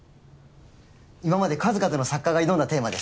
今まで数々の作家が挑んだテーマです。